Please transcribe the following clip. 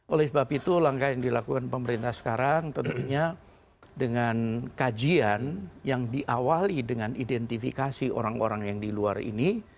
oleh sebab itu langkah yang dilakukan pemerintah sekarang tentunya dengan kajian yang diawali dengan identifikasi orang orang yang di luar ini